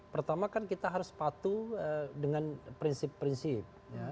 pertama kan kita harus patuh dengan prinsip prinsip